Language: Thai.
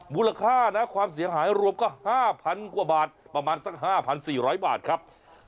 มูลค่านะความเสียหายรวมก็๕๐๐กว่าบาทประมาณสัก๕๔๐๐บาทครับ